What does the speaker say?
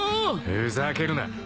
ふざけるな。